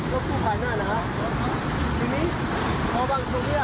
เป็นเครื่องกั่นน้าเหรอฮะ